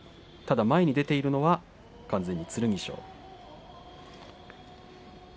ただ、前に出ているのは完全に剣翔。